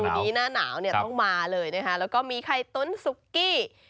โอ้โหเมนูนี้ณนาวต้องมาเลยนะฮะแล้วก็มีไข่ตุ้นซุกกี้